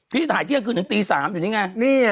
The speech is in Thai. พี่ถ่ายเที่ยงคืนถึงตี๓อยู่นี่ไง